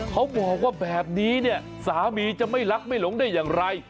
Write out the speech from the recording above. เขาบอกว่าแบบนี้เนี่ยสามีจะไม่รักไม่หลงได้อย่างไร